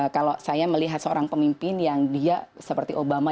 kalau saya melihat seorang pemimpin yang dia seperti obama